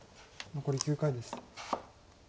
残り９回です。